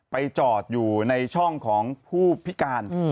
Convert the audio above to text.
ไปจอดอยู่ในช่องของผู้พิการ